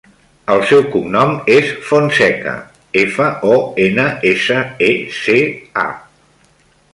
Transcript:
El seu cognom és Fonseca: efa, o, ena, essa, e, ce, a.